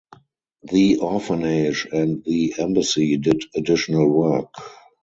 The Orphanage and The Embassy did additional work.